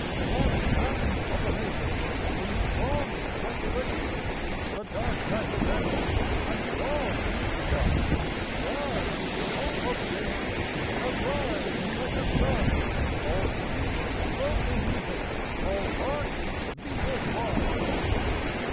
Clasp hands of the nations In strong gratulations: The dark night is ending and dawn has begun; Rise, hope of the ages, arise like the sun, All speech flow to music, all hearts beat as one!